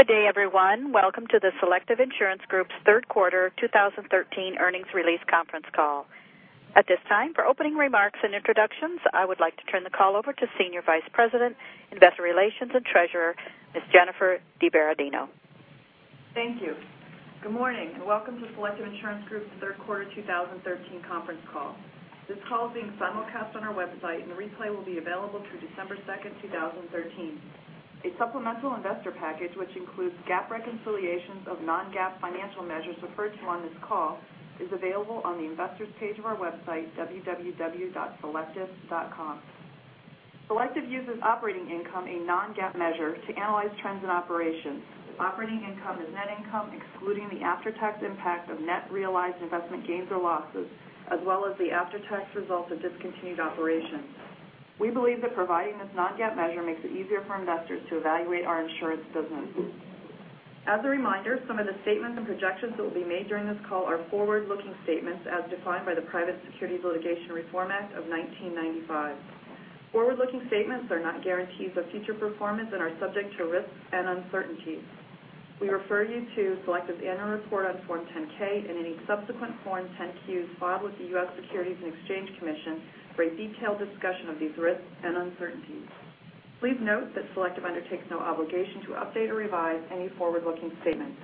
Good day, everyone. Welcome to the Selective Insurance Group's third quarter 2013 earnings release conference call. At this time, for opening remarks and introductions, I would like to turn the call over to Senior Vice President, Investor Relations and Treasurer, Ms. Jennifer DiBerardino. Thank you. Good morning. Welcome to Selective Insurance Group's third quarter 2013 conference call. This call is being simulcast on our website. A replay will be available through December 2, 2013. A supplemental investor package, which includes GAAP reconciliations of non-GAAP financial measures referred to on this call, is available on the investor's page of our website, www.selective.com. Selective uses operating income, a non-GAAP measure, to analyze trends in operations. Operating income is net income, excluding the after-tax impact of net realized investment gains or losses, as well as the after-tax results of discontinued operations. We believe that providing this non-GAAP measure makes it easier for investors to evaluate our insurance business. As a reminder, some of the statements and projections that will be made during this call are forward-looking statements as defined by the Private Securities Litigation Reform Act of 1995. Forward-looking statements are not guarantees of future performance and are subject to risks and uncertainties. We refer you to Selective's annual report on Form 10-K and any subsequent Form 10-Qs filed with the U.S. Securities and Exchange Commission for a detailed discussion of these risks and uncertainties. Please note that Selective undertakes no obligation to update or revise any forward-looking statements.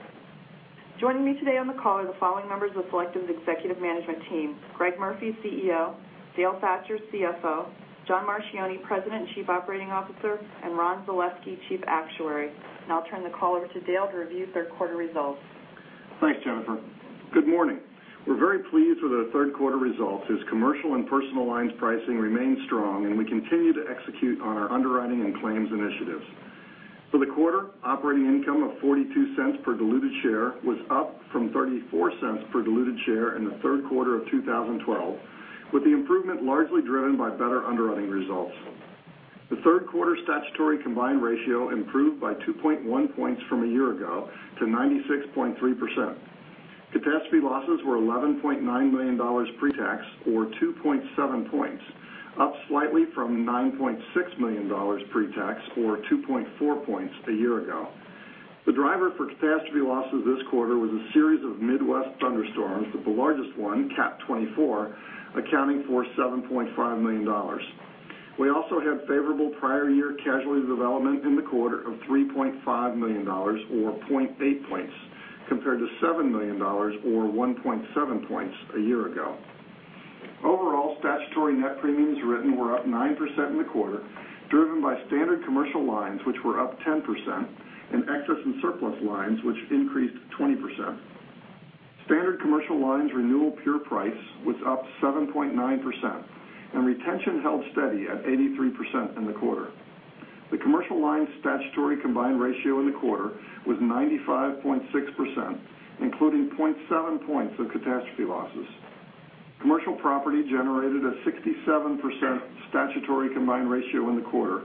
Joining me today on the call are the following members of Selective's executive management team, Greg Murphy, CEO, Dale Thatcher, CFO, John Marchioni, President and Chief Operating Officer, and Ron Zaleski, Chief Actuary. Now I'll turn the call over to Dale to review third quarter results. Thanks, Jennifer. Good morning. We're very pleased with our third quarter results as Commercial Lines and Personal Lines pricing remains strong. We continue to execute on our underwriting and claims initiatives. For the quarter, operating income of $0.42 per diluted share was up from $0.34 per diluted share in the third quarter of 2012, with the improvement largely driven by better underwriting results. The third quarter statutory combined ratio improved by 2.1 points from a year ago to 96.3%. Catastrophe losses were $11.9 million pre-tax or 2.7 points, up slightly from $9.6 million pre-tax or 2.4 points a year ago. The driver for catastrophe losses this quarter was a series of Midwest thunderstorms, with the largest one, Cat 24, accounting for $7.5 million. We also had favorable prior year casualty development in the quarter of $3.5 million or 0.8 points compared to $7 million or 1.7 points a year ago. Overall, statutory net premiums written were up 9% in the quarter, driven by Standard Commercial Lines which were up 10%, and Excess and Surplus Lines which increased 20%. Standard Commercial Lines renewal pure price was up 7.9%, and retention held steady at 83% in the quarter. The Commercial Lines statutory combined ratio in the quarter was 95.6%, including 0.7 points of catastrophe losses. Commercial Property generated a 67% statutory combined ratio in the quarter,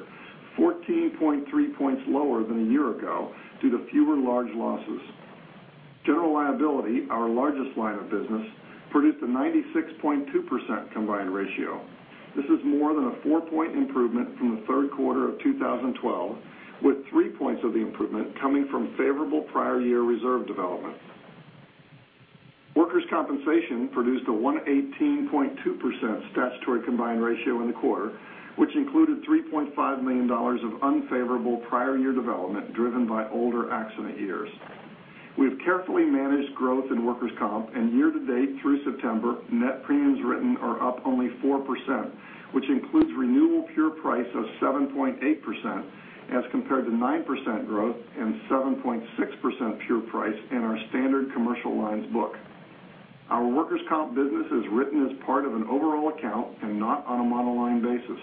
14.3 points lower than a year ago due to fewer large losses. General Liability, our largest line of business, produced a 96.2% combined ratio. This is more than a four-point improvement from the third quarter of 2012, with three points of the improvement coming from favorable prior year reserve development. Workers' Compensation produced a 118.2% statutory combined ratio in the quarter, which included $3.5 million of unfavorable prior year development driven by older accident years. We've carefully managed growth in Workers' Comp and year-to-date through September, net premiums written are up only 4%, which includes renewal pure price of 7.8% as compared to 9% growth and 7.6% pure price in our Standard Commercial Lines book. Our Workers' Comp business is written as part of an overall account and not on a monoline basis.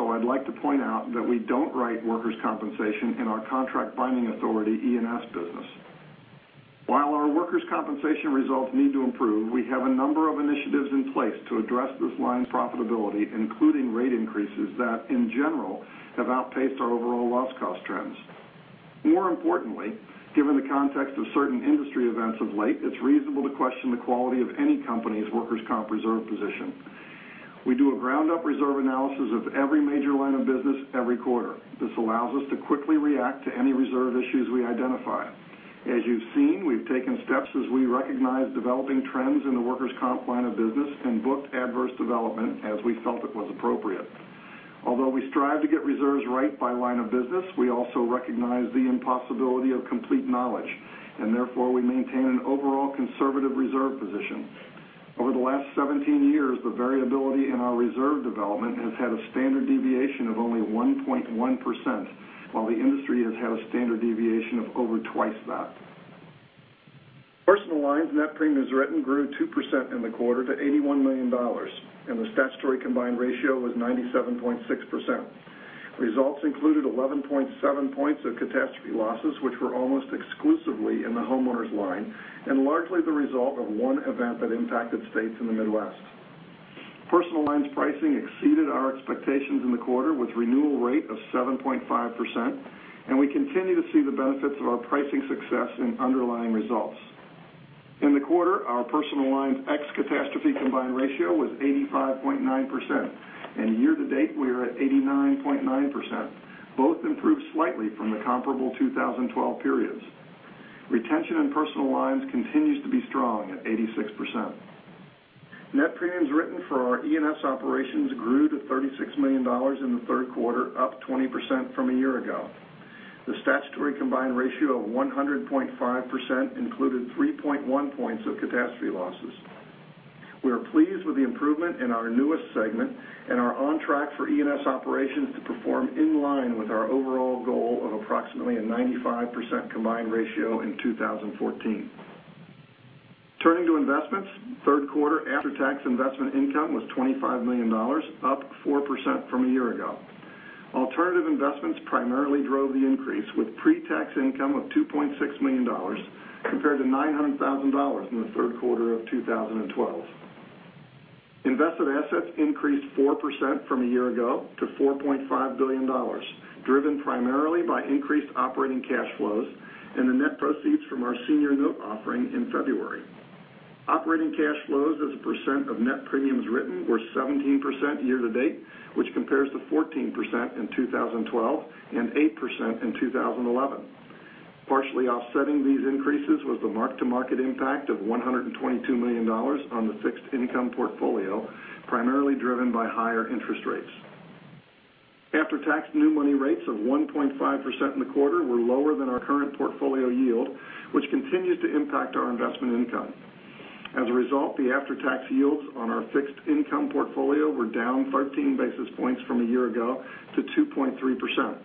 I'd like to point out that we don't write Workers' Compensation in our contract binding authority E&S business. While our Workers' Compensation results need to improve, we have a number of initiatives in place to address this line's profitability, including rate increases that, in general, have outpaced our overall loss cost trends. More importantly, given the context of certain industry events of late, it's reasonable to question the quality of any company's Workers' Comp reserve position. We do a ground-up reserve analysis of every major line of business every quarter. This allows us to quickly react to any reserve issues we identify. As you've seen, we've taken steps as we recognize developing trends in the Workers' Comp line of business and booked adverse development as we felt it was appropriate. Although we strive to get reserves right by line of business, we also recognize the impossibility of complete knowledge, and therefore, we maintain an overall conservative reserve position. Over the last 17 years, the variability in our reserve development has had a standard deviation of only 1.1%, while the industry has had a standard deviation of over twice that. Personal Lines net premiums written grew 2% in the quarter to $81 million, and the statutory combined ratio was 97.6%. Results included 11.7 points of catastrophe losses, which were almost exclusively in the homeowners line and largely the result of one event that impacted states in the Midwest. Personal Lines pricing exceeded our expectations in the quarter with renewal rate of 7.5%, and we continue to see the benefits of our pricing success in underlying results. In the quarter, our Personal Lines ex catastrophe combined ratio was 85.9%, and year-to-date, we are at 89.9%, both improved slightly from the comparable 2012 periods. Retention in Personal Lines continues to be strong at 86%. Net premiums written for our E&S operations grew to $36 million in the third quarter, up 20% from a year ago. The statutory combined ratio of 100.5% included 3.1 points of catastrophe losses. We are pleased with the improvement in our newest segment and are on track for E&S operations to perform in line with our overall goal of approximately a 95% combined ratio in 2014. Turning to investments, third quarter after-tax investment income was $25 million, up 4% from a year ago. Alternative investments primarily drove the increase with pre-tax income of $2.6 million compared to $900,000 in the third quarter of 2012. Invested assets increased 4% from a year ago to $4.5 billion, driven primarily by increased operating cash flows and the net proceeds from our senior note offering in February. Operating cash flows as a percent of net premiums written were 17% year to date, which compares to 14% in 2012 and 8% in 2011. Partially offsetting these increases was the mark-to-market impact of $122 million on the fixed income portfolio, primarily driven by higher interest rates. After-tax new money rates of 1.5% in the quarter were lower than our current portfolio yield, which continues to impact our investment income. As a result, the after-tax yields on our fixed income portfolio were down 13 basis points from a year ago to 2.3%.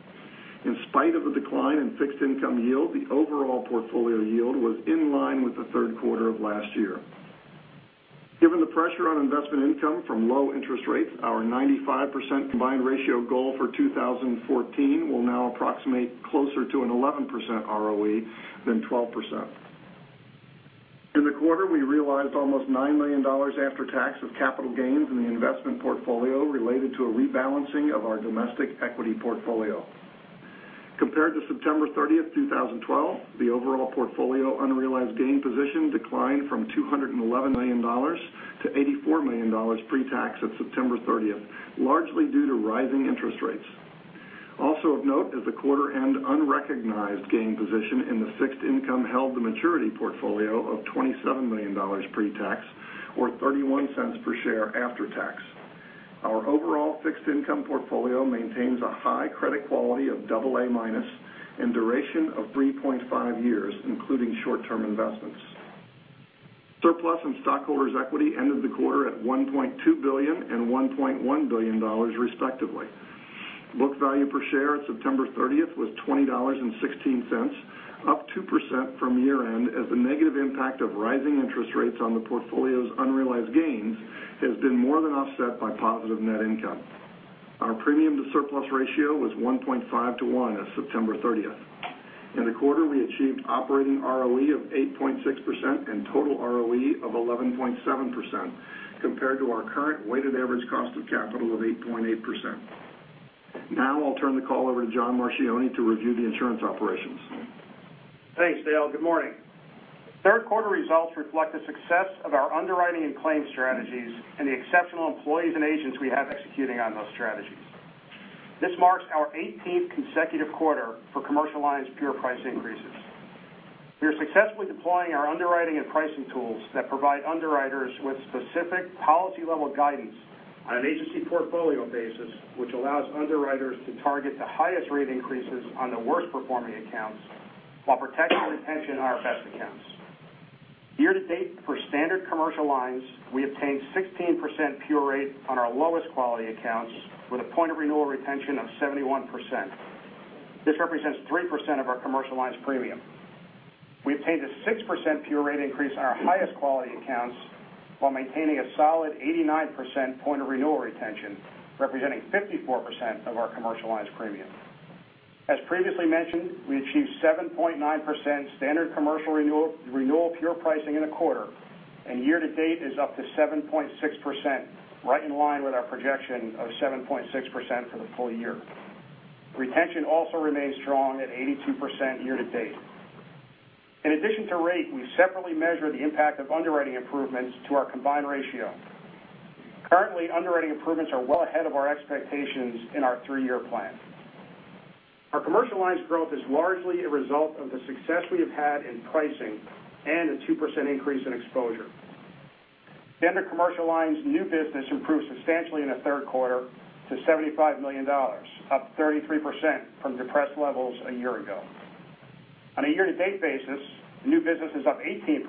In spite of the decline in fixed income yield, the overall portfolio yield was in line with the third quarter of last year. Given the pressure on investment income from low interest rates, our 95% combined ratio goal for 2014 will now approximate closer to an 11% ROE than 12%. In the quarter, we realized almost $9 million after tax of capital gains in the investment portfolio related to a rebalancing of our domestic equity portfolio. Compared to September 30th, 2012, the overall portfolio unrealized gain position declined from $211 million to $84 million pre-tax at September 30th, largely due to rising interest rates. Also of note is the quarter end unrecognized gain position in the fixed income held-to-maturity portfolio of $27 million pre-tax, or $0.31 per share after tax. Our overall fixed income portfolio maintains a high credit quality of double A minus and duration of 3.5 years, including short-term investments. Surplus and stockholders' equity ended the quarter at $1.2 billion and $1.1 billion, respectively. Book value per share at September 30th was $20.16, up 2% from year-end as the negative impact of rising interest rates on the portfolio's unrealized gains has been more than offset by positive net income. Our premium to surplus ratio was 1.5 to one as of September 30th. In the quarter, we achieved operating ROE of 8.6% and total ROE of 11.7% compared to our current weighted average cost of capital of 8.8%. I'll turn the call over to John Marchioni to review the insurance operations. Thanks, Dale. Good morning. Third quarter results reflect the success of our underwriting and claims strategies and the exceptional employees and agents we have executing on those strategies. This marks our 18th consecutive quarter for commercial lines pure price increases. We are successfully deploying our underwriting and pricing tools that provide underwriters with specific policy-level guidance on an agency portfolio basis, which allows underwriters to target the highest rate increases on the worst-performing accounts while protecting retention on our best accounts. Year-to-date for Standard Commercial Lines, we obtained 16% pure rate on our lowest quality accounts with a point of renewal retention of 71%. This represents 3% of our commercial lines premium. We obtained a 6% pure rate increase on our highest quality accounts while maintaining a solid 89% point of renewal retention, representing 54% of our commercial lines premium. As previously mentioned, we achieved 7.9% standard commercial renewal pure pricing in the quarter, and year-to-date is up to 7.6%, right in line with our projection of 7.6% for the full year. Retention also remains strong at 82% year-to-date. In addition to rate, we separately measure the impact of underwriting improvements to our combined ratio. Currently, underwriting improvements are well ahead of our expectations in our three-year plan. Our commercial lines growth is largely a result of the success we have had in pricing and a 2% increase in exposure. Standard Commercial Lines new business improved substantially in the third quarter to $75 million, up 33% from depressed levels a year ago. On a year-to-date basis, new business is up 18%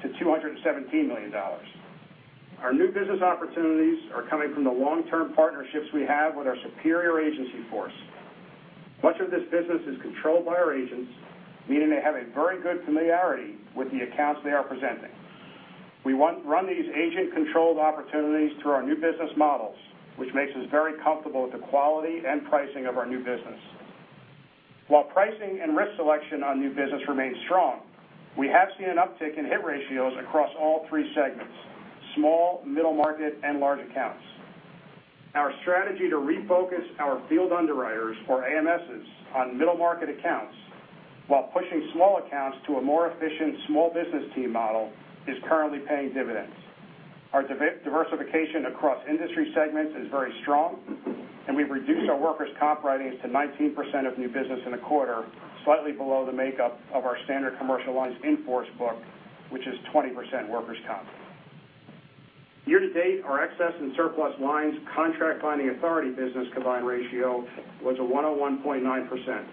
to $217 million. Our new business opportunities are coming from the long-term partnerships we have with our superior agency force. Much of this business is controlled by our agents, meaning they have a very good familiarity with the accounts they are presenting. We run these agent-controlled opportunities through our new business models, which makes us very comfortable with the quality and pricing of our new business. While pricing and risk selection on new business remains strong, we have seen an uptick in hit ratios across all three segments: small, middle market, and large accounts. Our strategy to refocus our field underwriters or AMSs on middle market accounts while pushing small accounts to a more efficient small business team model is currently paying dividends. Our diversification across industry segments is very strong, and we've reduced our Workers' Comp writings to 19% of new business in the quarter, slightly below the makeup of our Standard Commercial Lines in force book, which is 20% Workers' Comp. Year-to-date, our Excess and Surplus Lines contract binding authority business combined ratio was a 101.9%.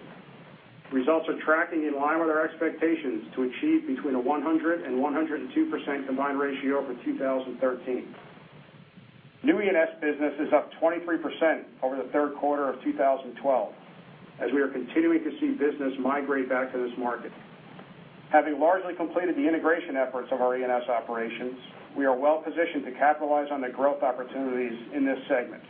Results are tracking in line with our expectations to achieve between a 100%-102% combined ratio for 2013. New E&S business is up 23% over the third quarter of 2012, as we are continuing to see business migrate back to this market. Having largely completed the integration efforts of our E&S operations, we are well positioned to capitalize on the growth opportunities in this segment.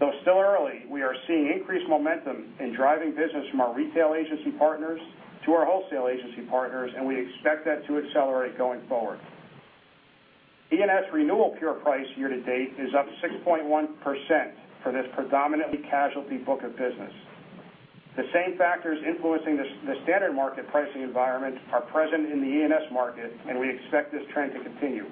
Though still early, we are seeing increased momentum in driving business from our retail agency partners to our wholesale agency partners, and we expect that to accelerate going forward. E&S renewal pure price year-to-date is up 6.1% for this predominantly casualty book of business. The same factors influencing the standard market pricing environment are present in the E&S market. We expect this trend to continue.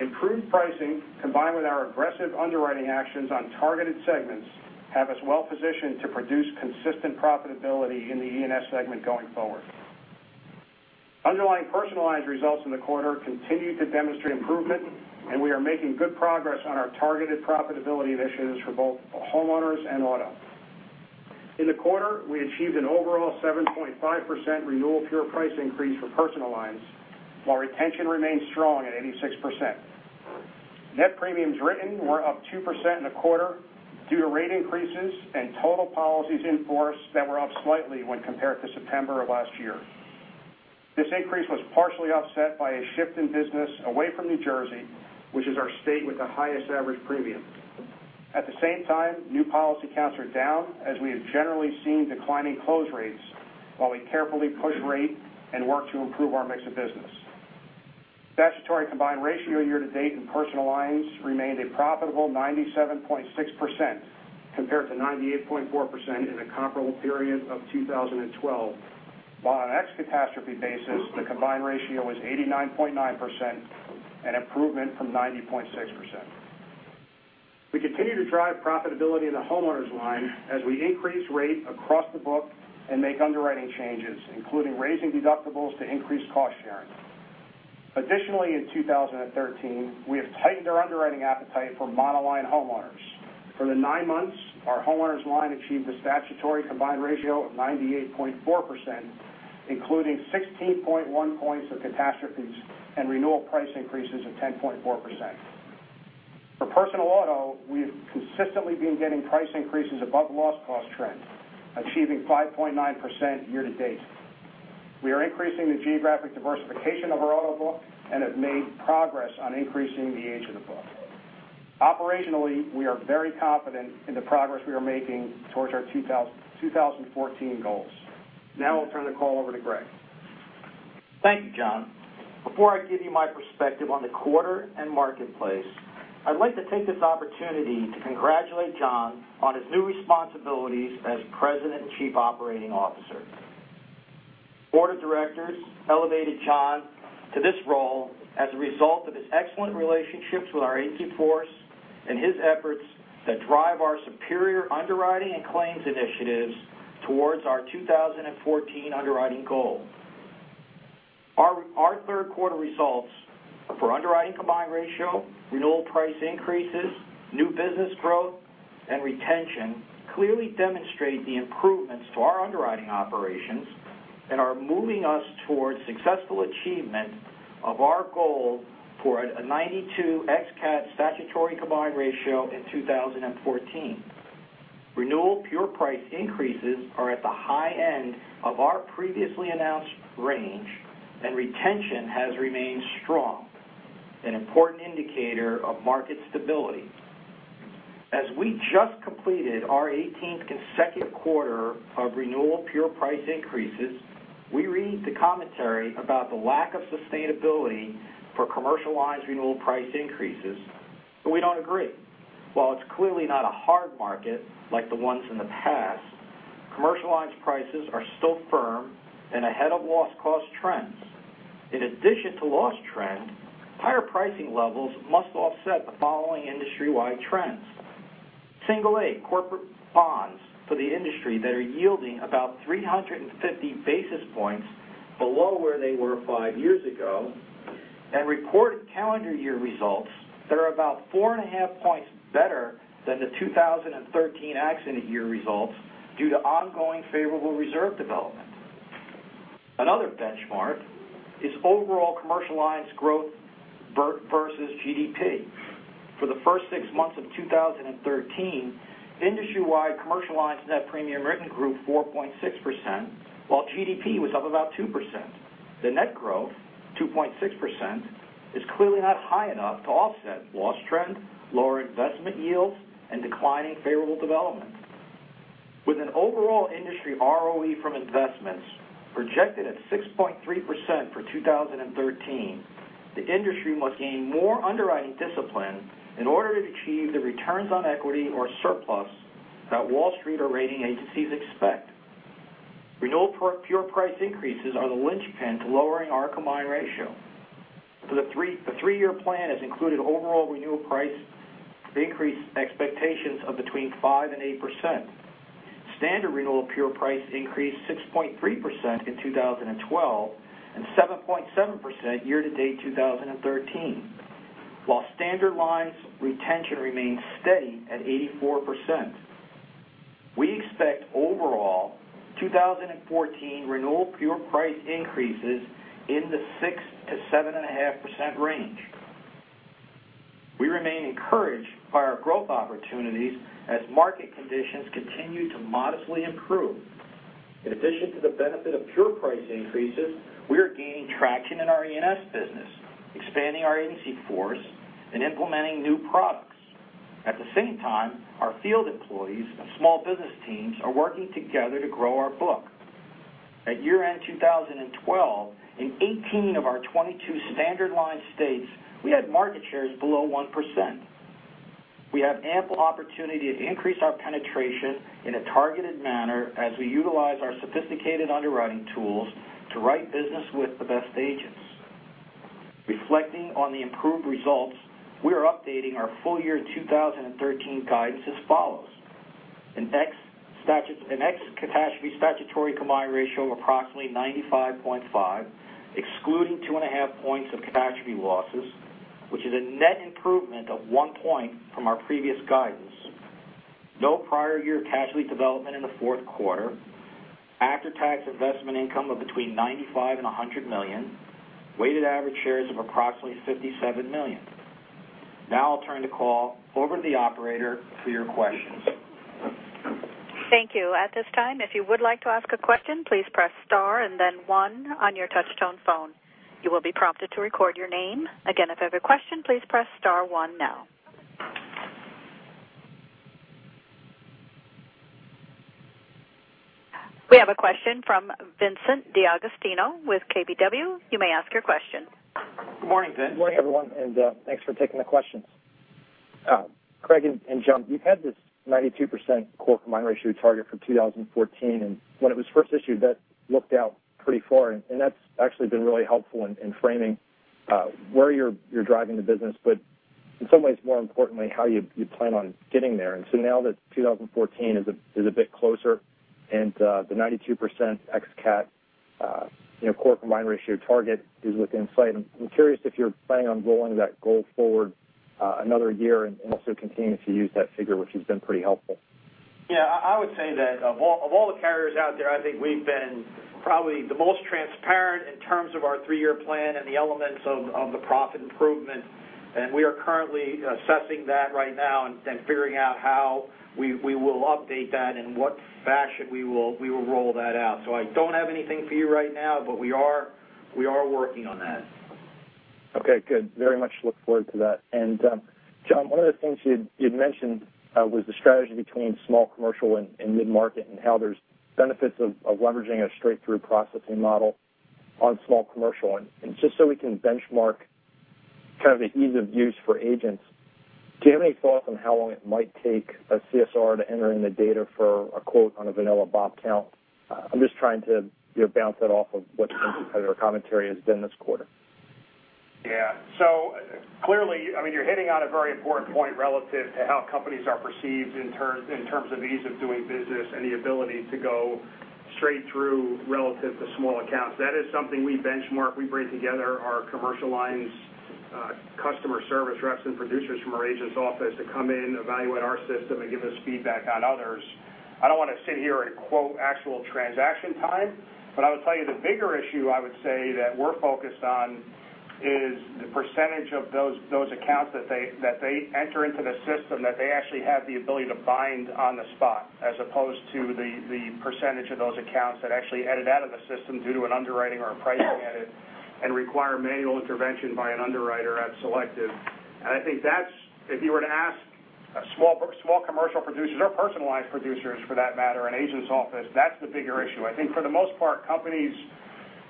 Improved pricing combined with our aggressive underwriting actions on targeted segments have us well positioned to produce consistent profitability in the E&S segment going forward. Underlying Personal Lines results in the quarter continued to demonstrate improvement. We are making good progress on our targeted profitability initiatives for both homeowners and auto. In the quarter, we achieved an overall 7.5% renewal pure price increase for Personal Lines, while retention remains strong at 86%. Net premiums written were up 2% in the quarter due to rate increases and total policies in force that were up slightly when compared to September of last year. This increase was partially offset by a shift in business away from New Jersey, which is our state with the highest average premium. At the same time, new policy counts are down as we have generally seen declining close rates while we carefully push rate and work to improve our mix of business. Statutory combined ratio year to date in Personal Lines remained a profitable 97.6% compared to 98.4% in the comparable period of 2012. While on an ex catastrophe basis, the combined ratio was 89.9%, an improvement from 90.6%. We continue to drive profitability in the homeowners line as we increase rate across the book and make underwriting changes, including raising deductibles to increase cost sharing. Additionally, in 2013, we have tightened our underwriting appetite for monoline homeowners. For the nine months, our homeowners line achieved a statutory combined ratio of 98.4%, including 16.1 points of catastrophes and renewal price increases of 10.4%. For personal auto, we've consistently been getting price increases above loss cost trend, achieving 5.9% year to date. We are increasing the geographic diversification of our auto book and have made progress on increasing the age of the book. Operationally, we are very confident in the progress we are making towards our 2014 goals. Now I'll turn the call over to Greg. Thank you, John. Before I give you my perspective on the quarter and marketplace, I'd like to take this opportunity to congratulate John on his new responsibilities as President and Chief Operating Officer. Board of Directors elevated John to this role as a result of his excellent relationships with our agency force and his efforts that drive our superior underwriting and claims initiatives towards our 2014 underwriting goal. Our third quarter results for underwriting combined ratio, renewal price increases, new business growth, and retention clearly demonstrate the improvements to our underwriting operations and are moving us towards successful achievement of our goal for a 92 ex cat statutory combined ratio in 2014. Renewal pure price increases are at the high end of our previously announced range. Retention has remained strong, an important indicator of market stability. As we just completed our 18th consecutive quarter of renewal pure price increases, we read the commentary about the lack of sustainability for Commercial Lines renewal price increases. We don't agree. While it's clearly not a hard market like the ones in the past, Commercial Lines prices are still firm and ahead of loss cost trends. In addition to loss trend, higher pricing levels must offset the following industry-wide trends. Single A corporate bonds for the industry that are yielding about 350 basis points below where they were five years ago, and reported calendar year results that are about four and a half points better than the 2013 accident year results due to ongoing favorable reserve development. Another benchmark is overall Commercial Lines growth versus GDP. For the first six months of 2013, industry-wide Commercial Lines net premium written grew 4.6%, while GDP was up about 2%. The net growth, 2.6%, is clearly not high enough to offset loss trend, lower investment yields, and declining favorable development. With an overall industry ROE from investments projected at 6.3% for 2013, the industry must gain more underwriting discipline in order to achieve the returns on equity or surplus that Wall Street or rating agencies expect. Renewal pure price increases are the linchpin to lowering our combined ratio. The three-year plan has included overall renewal price increase expectations of between 5% and 8%. Standard renewal pure price increased 6.3% in 2012 and 7.7% year to date 2013, while standard lines retention remains steady at 84%. We expect overall 2014 renewal pure price increases in the 6%-7.5% range. We remain encouraged by our growth opportunities as market conditions continue to modestly improve. In addition to the benefit of pure price increases, we are gaining traction in our E&S business, expanding our agency force, and implementing new products. At the same time, our field employees and small business teams are working together to grow our book. At year-end 2012, in 18 of our 22 standard line states, we had market shares below 1%. We have ample opportunity to increase our penetration in a targeted manner as we utilize our sophisticated underwriting tools to write business with the best agents. Reflecting on the improved results, we are updating our full year 2013 guidance as follows. An ex-catastrophe statutory combined ratio of approximately 95.5, excluding 2.5 points of catastrophe losses, which is a net improvement of one point from our previous guidance. No prior year casualty development in the fourth quarter. After-tax investment income of between $95 million-$100 million. Weighted average shares of approximately 57 million. I'll turn the call over to the operator for your questions. Thank you. At this time, if you would like to ask a question, please press star and then one on your touch tone phone. You will be prompted to record your name. Again, if you have a question, please press star one now. We have a question from Vincent DeAugustino with KBW. You may ask your question. Good morning, Vince. Good morning, everyone, thanks for taking the questions. Greg and John, you've had this 92% core combined ratio target for 2014, when it was first issued, that looked out pretty far, and that's actually been really helpful in framing where you're driving the business, in some ways, more importantly, how you plan on getting there. Now that 2014 is a bit closer and the 92% ex cat core combined ratio target is within sight, I'm curious if you're planning on rolling that goal forward another year and also continuing to use that figure, which has been pretty helpful. Yeah, I would say that of all the carriers out there, I think we've been probably the most transparent in terms of our three-year plan and the elements of the profit improvement. We are currently assessing that right now and figuring out how we will update that and what fashion we will roll that out. I don't have anything for you right now, we are working on that. Okay, good. Very much look forward to that. John, one of the things you'd mentioned was the strategy between small commercial and mid-market and how there's benefits of leveraging a straight-through processing model on small commercial. Just so we can benchmark kind of the ease of use for agents, do you have any thoughts on how long it might take a CSR to enter in the data for a quote on a vanilla BOP account? I'm just trying to bounce that off of what your commentary has been this quarter. Yeah. Clearly, you're hitting on a very important point relative to how companies are perceived in terms of ease of doing business and the ability to go straight through relative to small accounts. That is something we benchmark. We bring together our commercial lines customer service reps and producers from our agent's office to come in, evaluate our system, and give us feedback on others. I don't want to sit here and quote actual transaction time, but I would tell you the bigger issue I would say that we're focused on is the percentage of those accounts that they enter into the system that they actually have the ability to bind on the spot, as opposed to the percentage of those accounts that actually edit out of the system due to an underwriting or a pricing edit and require manual intervention by an underwriter at Selective. I think if you were to ask small commercial producers or Personal Lines producers for that matter in agent's office, that's the bigger issue. I think for the most part, companies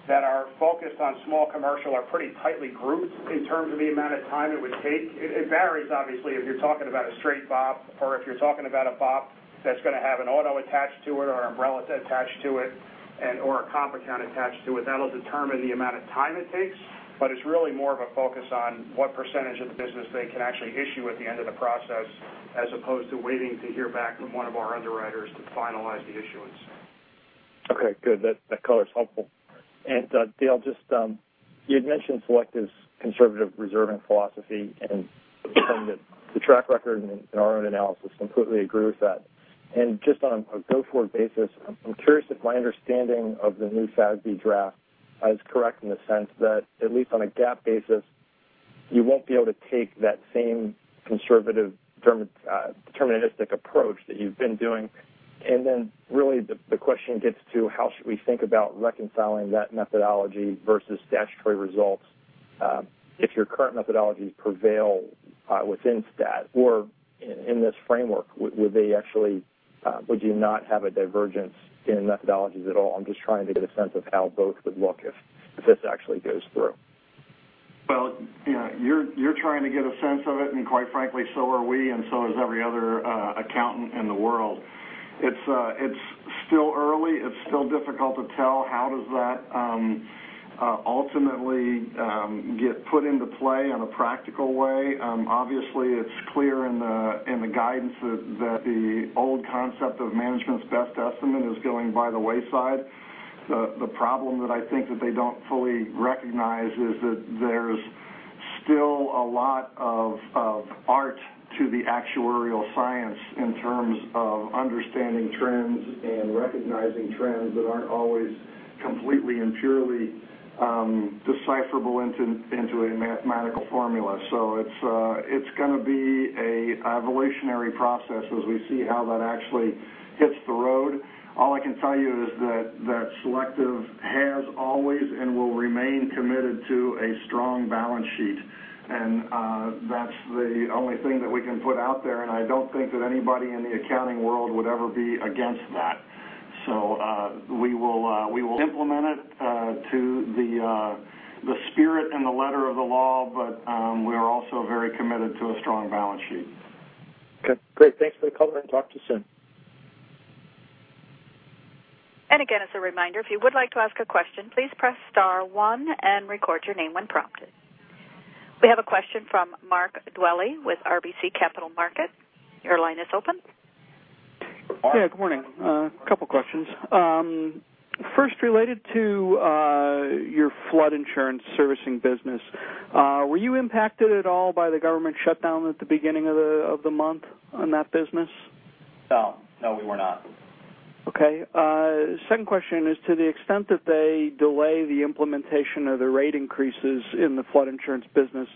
that are focused on small commercial are pretty tightly grouped in terms of the amount of time it would take. It varies, obviously, if you're talking about a straight BOP or if you're talking about a BOP that's going to have an auto attached to it or an umbrella attached to it or a comp account attached to it. That'll determine the amount of time it takes, but it's really more of a focus on what percentage of the business they can actually issue at the end of the process, as opposed to waiting to hear back from one of our underwriters to finalize the issuance. Okay, good. That color's helpful. Dale, you had mentioned Selective's conservative reserving philosophy and the fact that the track record and our own analysis completely agree with that. Just on a go-forward basis, I'm curious if my understanding of the new FASB draft is correct in the sense that at least on a GAAP basis, you won't be able to take that same conservative deterministic approach that you've been doing. Really the question gets to how should we think about reconciling that methodology versus statutory results If your current methodologies prevail within stat or in this framework, would you not have a divergence in methodologies at all? I'm just trying to get a sense of how both would look if this actually goes through. You're trying to get a sense of it, and quite frankly, so are we, and so is every other accountant in the world. It's still early. It's still difficult to tell how does that ultimately get put into play in a practical way. Obviously, it's clear in the guidance that the old concept of management's best estimate is going by the wayside. The problem that I think that they don't fully recognize is that there's still a lot of art to the actuarial science in terms of understanding trends and recognizing trends that aren't always completely and purely decipherable into a mathematical formula. It's going to be an evolutionary process as we see how that actually hits the road. All I can tell you is that Selective has always and will remain committed to a strong balance sheet, and that's the only thing that we can put out there, and I don't think that anybody in the accounting world would ever be against that. We will implement it to the spirit and the letter of the law, but we are also very committed to a strong balance sheet. Okay, great. Thanks for the color. Talk to you soon. Again, as a reminder, if you would like to ask a question, please press star one and record your name when prompted. We have a question from Mark Dwelly with RBC Capital Markets. Your line is open. Yeah, good morning. A couple questions. First, related to your flood insurance servicing business, were you impacted at all by the government shutdown at the beginning of the month on that business? No. No, we were not. Okay. Second question is, to the extent that they delay the implementation of the rate increases in the flood insurance business,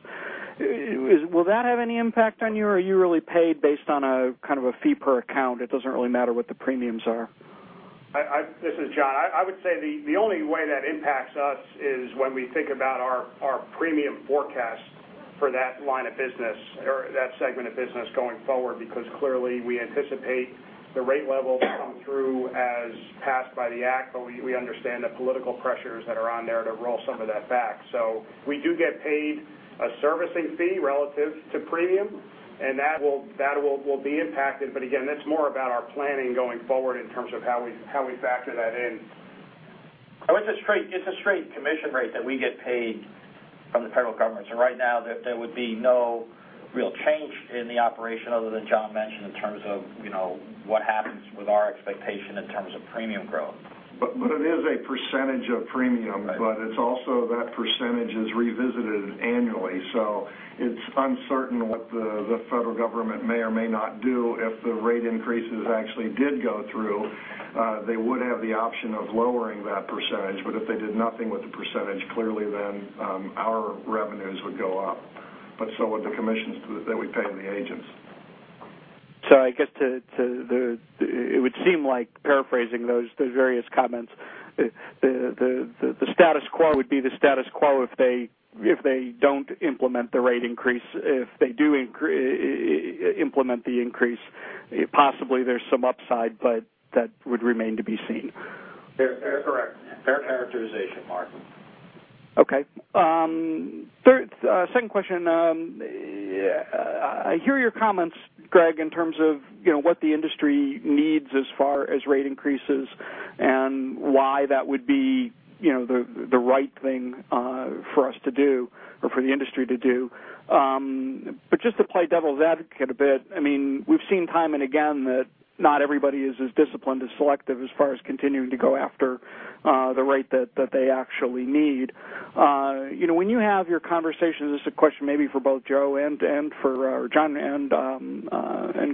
will that have any impact on you, or are you really paid based on a kind of a fee per account, it doesn't really matter what the premiums are? This is John. I would say the only way that impacts us is when we think about our premium forecast for that line of business or that segment of business going forward, because clearly we anticipate the rate level to come through as passed by the act, we understand the political pressures that are on there to roll some of that back. We do get paid a servicing fee relative to premium, and that will be impacted. Again, that's more about our planning going forward in terms of how we factor that in. It's a straight commission rate that we get paid from the federal government. Right now, there would be no real change in the operation other than John mentioned in terms of what happens with our expectation in terms of premium growth. It is a percentage of premium. Right. It's also that percentage is revisited annually. It's uncertain what the federal government may or may not do if the rate increases actually did go through. They would have the option of lowering that percentage, if they did nothing with the percentage, clearly then our revenues would go up, but so would the commissions that we pay the agents. I guess it would seem like, paraphrasing those various comments, the status quo would be the status quo if they don't implement the rate increase. If they do implement the increase, possibly there's some upside, but that would remain to be seen. Correct. Fair characterization, Mark. Okay. Second question. I hear your comments, Greg, in terms of what the industry needs as far as rate increases and why that would be the right thing for us to do or for the industry to do. Just to play devil's advocate a bit, we've seen time and again that not everybody is as disciplined as Selective as far as continuing to go after the rate that they actually need. When you have your conversations, this is a question maybe for both John and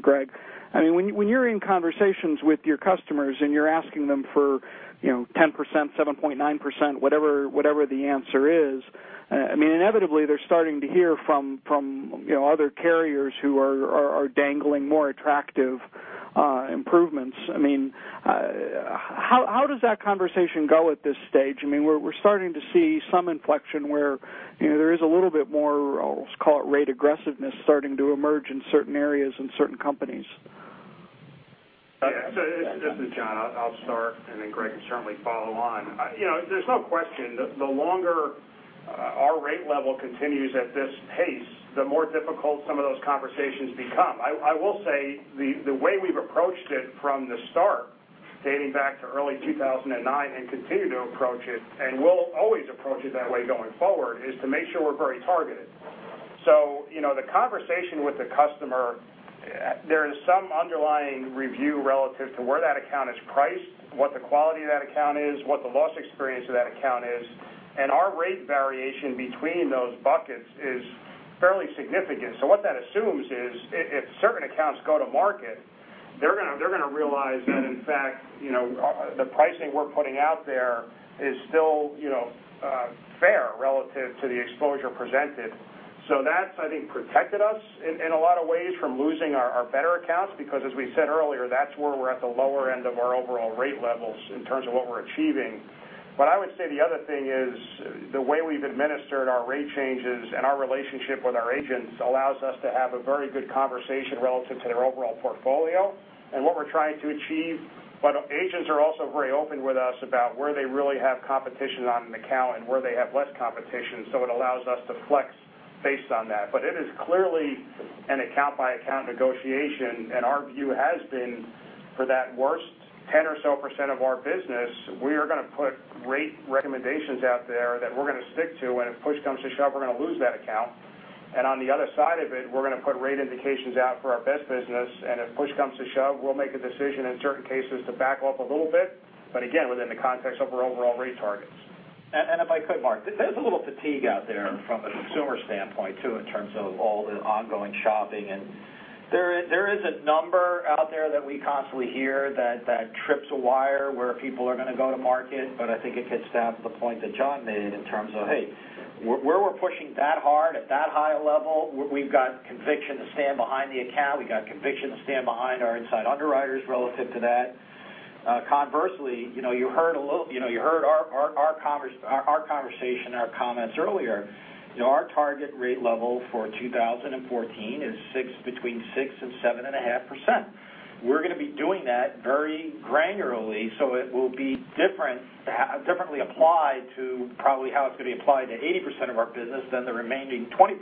Greg, when you're in conversations with your customers and you're asking them for 10%, 7.9%, whatever the answer is, inevitably, they're starting to hear from other carriers who are dangling more attractive improvements. How does that conversation go at this stage? We're starting to see some inflection where there is a little bit more, let's call it rate aggressiveness starting to emerge in certain areas and certain companies. This is John. I'll start, and then Greg can certainly follow on. There's no question, the longer our rate level continues at this pace, the more difficult some of those conversations become. I will say the way we've approached it from the start, dating back to early 2009 and continue to approach it, and we'll always approach it that way going forward, is to make sure we're very targeted. The conversation with the customer, there is some underlying review relative to where that account is priced, what the quality of that account is, what the loss experience of that account is. Our rate variation between those buckets is fairly significant. What that assumes is if certain accounts go to market, they're going to realize that in fact the pricing we're putting out there is still fair relative to the exposure presented. That's, I think, protected us in a lot of ways from losing our better accounts because as we said earlier, that's where we're at the lower end of our overall rate levels in terms of what we're achieving. I would say the other thing is the way we've administered our rate changes and our relationship with our agents allows us to have a very good conversation relative to their overall portfolio and what we're trying to achieve. Agents are also very open with us about where they really have competition on an account and where they have less competition, so it allows us to flex based on that. It is clearly an account-by-account negotiation, and our view has been for that worst 10% or so of our business, we are going to put rate recommendations out there that we're going to stick to, and if push comes to shove, we're going to lose that account. On the other side of it, we're going to put rate indications out for our best business, and if push comes to shove, we'll make a decision in certain cases to back off a little bit, but again, within the context of our overall rate targets. If I could, Mark, there's a little fatigue out there from a consumer standpoint too, in terms of all the ongoing shopping. There is a number out there that we constantly hear that trips a wire where people are going to go to market. I think it gets down to the point that John made in terms of, hey, where we're pushing that hard at that high a level, we've got conviction to stand behind the account. We've got conviction to stand behind our inside underwriters relative to that. Conversely, you heard our conversation, our comments earlier. Our target rate level for 2014 is between 6% and 7.5%. We're going to be doing that very granularly, so it will be differently applied to probably how it's going to be applied to 80% of our business than the remaining 20%.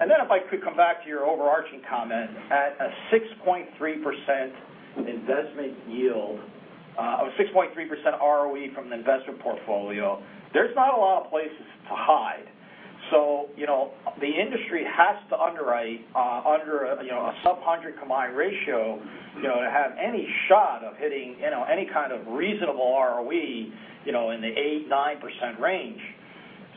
If I could come back to your overarching comment. At a 6.3% investment yield, a 6.3% ROE from an investment portfolio, there's not a lot of places to hide. The industry has to underwrite under a sub-100 combined ratio to have any shot of hitting any kind of reasonable ROE, in the 8%-9% range.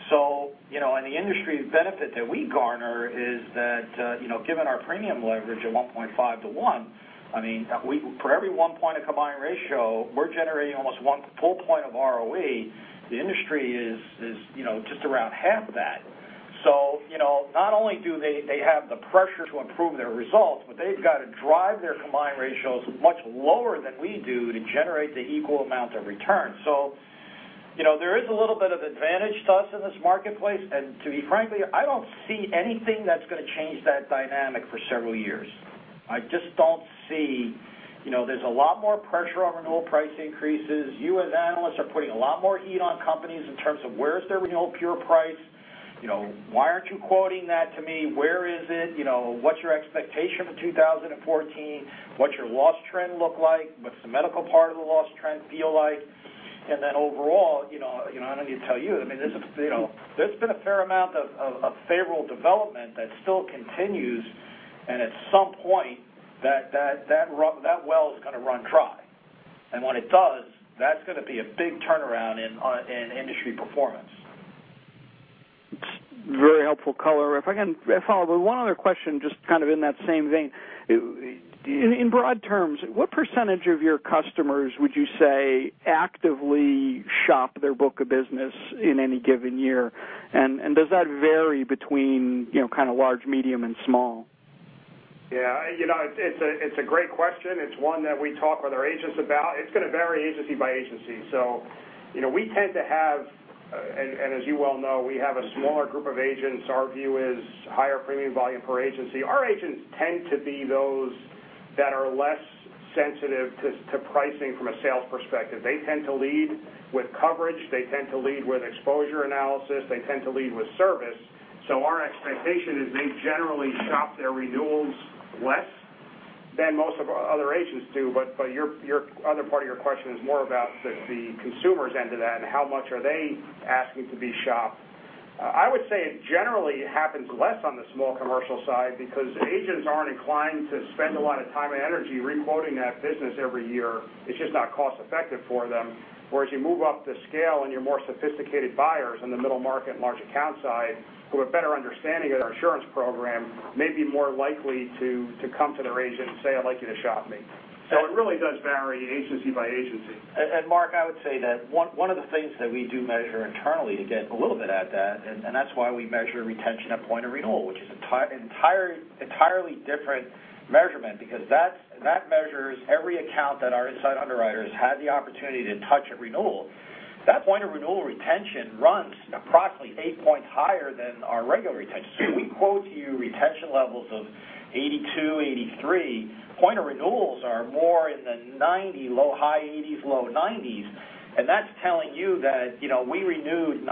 The industry benefit that we garner is that, given our premium leverage of 1.5 to 1, for every one point of combined ratio, we're generating almost one full point of ROE. The industry is just around half that. Not only do they have the pressure to improve their results, but they've got to drive their combined ratios much lower than we do to generate the equal amount of return. There is a little bit of advantage to us in this marketplace, and to be frank, I don't see anything that's going to change that dynamic for several years. I just don't see. There's a lot more pressure on renewal price increases. You as analysts are putting a lot more heat on companies in terms of where is their renewal pure price? Why aren't you quoting that to me? Where is it? What's your expectation for 2014? What's your loss trend look like? What's the medical part of the loss trend feel like? Overall, I don't need to tell you, there's been a fair amount of favorable development that still continues, and at some point that well is going to run dry. When it does, that's going to be a big turnaround in industry performance. Very helpful color. If I can follow with one other question, just kind of in that same vein. In broad terms, what % of your customers would you say actively shop their book of business in any given year? Does that vary between large, medium, and small? Yeah. It's a great question. It's one that we talk with our agents about. It's going to vary agency by agency. We tend to have, as you well know, we have a smaller group of agents. Our view is higher premium volume per agency. Our agents tend to be those that are less sensitive to pricing from a sales perspective. They tend to lead with coverage. They tend to lead with exposure analysis. They tend to lead with service. Our expectation is they generally shop their renewals less than most of our other agents do. Other part of your question is more about the consumer's end of that and how much are they asking to be shopped. I would say it generally happens less on the small Commercial side because agents aren't inclined to spend a lot of time and energy re-quoting that business every year. It's just not cost-effective for them. Whereas you move up the scale and your more sophisticated buyers in the middle market and large account side who have better understanding of their insurance program may be more likely to come to their agent and say, "I'd like you to shop me." It really does vary agency by agency. Mark, I would say that one of the things that we do measure internally to get a little bit at that's why we measure retention at point of renewal, which is an entirely different measurement because that measures every account that our inside underwriters had the opportunity to touch at renewal. That point of renewal retention runs approximately eight points higher than our regular retention. We quote to you retention levels of 82, 83. Point of renewals are more in the 90, low, high 80s, low 90s. That's telling you that we renewed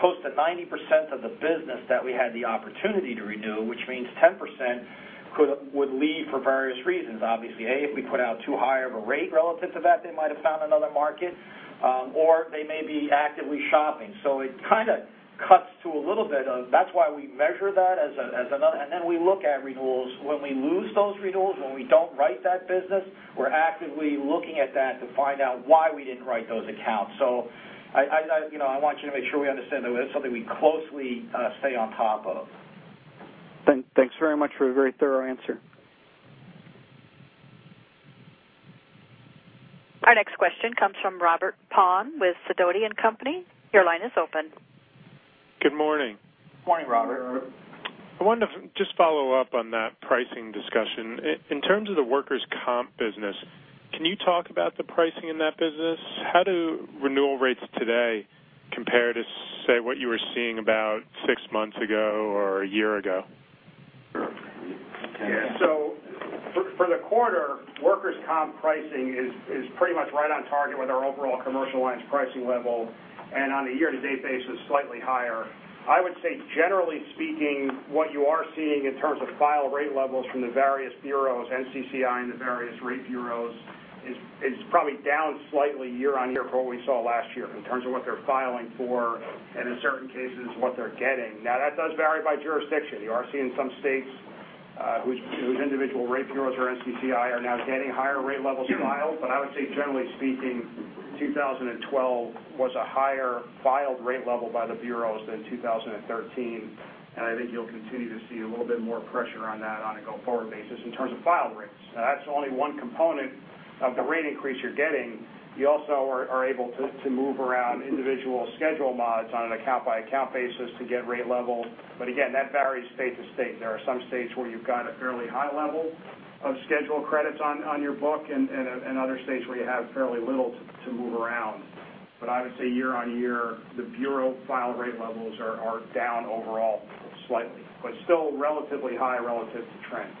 close to 90% of the business that we had the opportunity to renew, which means 10% would leave for various reasons. Obviously, A, if we put out too high of a rate relative to that, they might have found another market, or they may be actively shopping. It kind of cuts to a little bit of that's why we measure that as another, we look at renewals. When we lose those renewals, when we don't write that business, we're actively looking at that to find out why we didn't write those accounts. I want you to make sure we understand that it is something we closely stay on top of. Thanks very much for a very thorough answer. Our next question comes from Robert Pond with Sidoti & Company. Your line is open. Good morning. Morning, Robert. I wanted to just follow up on that pricing discussion. In terms of the Workers' Compensation business, can you talk about the pricing in that business? How do renewal rates today compare to, say, what you were seeing about 6 months ago or 1 year ago? For the quarter, Workers' Compensation pricing is pretty much right on target with our overall commercial lines pricing level, and on a year-to-date basis, slightly higher. I would say, generally speaking, what you are seeing in terms of filed rate levels from the various bureaus, NCCI and the various rate bureaus, is probably down slightly year-on-year from what we saw last year in terms of what they're filing for, and in certain cases, what they're getting. That does vary by jurisdiction. You are seeing some states whose individual rate bureaus or NCCI are now getting higher rate levels filed. I would say, generally speaking, 2012 was a higher filed rate level by the bureaus than 2013, and I think you'll continue to see a little bit more pressure on that on a go-forward basis in terms of filed rates. That's only one component of the rate increase you're getting. You also are able to move around individual schedule mods on an account-by-account basis to get rate level. Again, that varies state to state. There are some states where you've got a fairly high level of schedule credits on your book and other states where you have fairly little to move around. I would say year-on-year, the bureau filed rate levels are down overall slightly, but still relatively high relative to trends.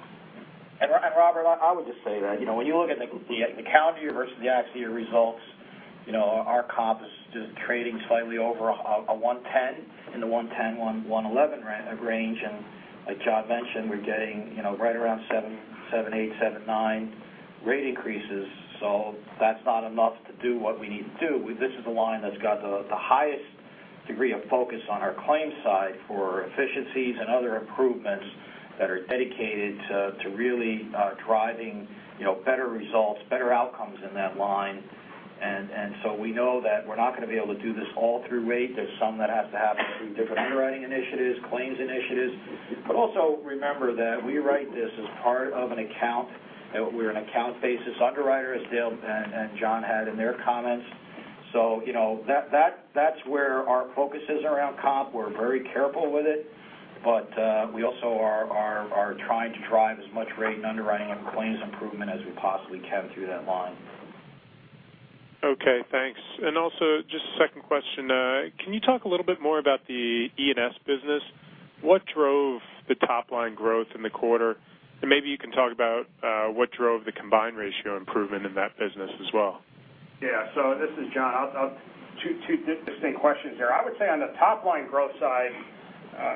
Robert, I would just say that when you look at the calendar year versus the actual results, our comp is trading slightly over a 110, 111 range. Like John mentioned, we're getting right around 7.8, 7.9 rate increases. That's not enough to do what we need to do. This is a line that's got the highest degree of focus on our claims side for efficiencies and other improvements that are dedicated to really driving better results, better outcomes in that line. We know that we're not going to be able to do this all through rate. There's some that has to happen through different underwriting initiatives, claims initiatives. Also remember that we write this as part of an account. We're an account-basis underwriter, as Dale and John had in their comments. That's where our focus is around comp. We're very careful with it, we also are trying to drive as much rate and underwriting on claims improvement as we possibly can through that line. Okay, thanks. Also, just a second question. Can you talk a little bit more about the E&S business? What drove the top-line growth in the quarter? Maybe you can talk about what drove the combined ratio improvement in that business as well. Yeah. This is John. Two distinct questions there. I would say on the top-line growth side,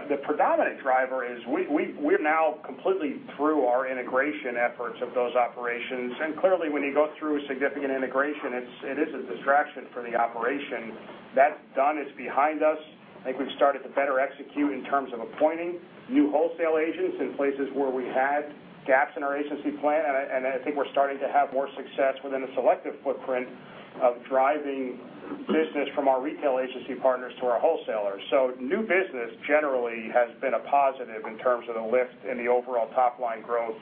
the predominant driver is we're now completely through our integration efforts of those operations. Clearly, when you go through a significant integration, it is a distraction for the operation. That's done. It's behind us. I think we've started to better execute in terms of appointing new wholesale agents in places where we had gaps in our agency plan. I think we're starting to have more success within a Selective footprint of driving business from our retail agency partners to our wholesalers. New business, generally, has been a positive in terms of the lift in the overall top-line growth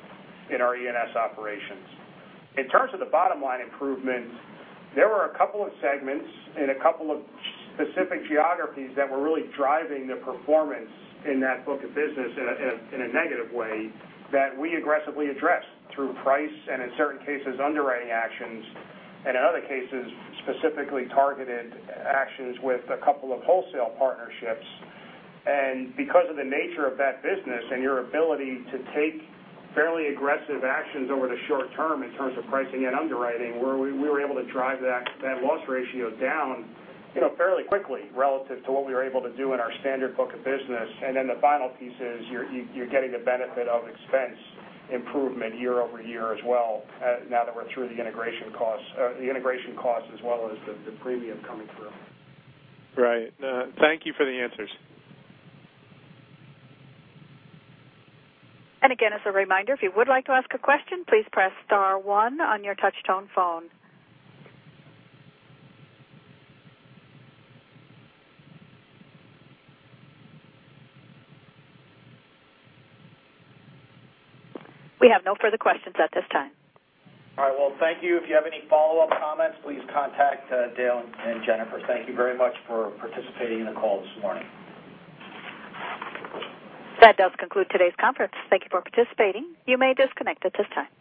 in our E&S operations. In terms of the bottom-line improvements, there were a couple of segments in a couple of specific geographies that were really driving the performance in that book of business in a negative way that we aggressively addressed through price and, in certain cases, underwriting actions and in other cases, specifically targeted actions with a couple of wholesale partnerships. Because of the nature of that business and your ability to take fairly aggressive actions over the short term in terms of pricing and underwriting, we were able to drive that loss ratio down fairly quickly relative to what we were able to do in our standard book of business. The final piece is you're getting the benefit of expense improvement year-over-year as well now that we're through the integration costs as well as the premium coming through. Right. Thank you for the answers. Again, as a reminder, if you would like to ask a question, please press star one on your touchtone phone. We have no further questions at this time. All right. Well, thank you. If you have any follow-up comments, please contact Dale and Jennifer. Thank you very much for participating in the call this morning. That does conclude today's conference. Thank you for participating. You may disconnect at this time.